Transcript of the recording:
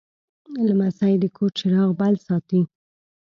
لمسی د کور چراغ بل ساتي.